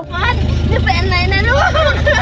ม้อนนี่เป็นไหนนะลูก